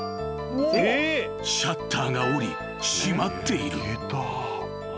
［シャッターが下り閉まっている］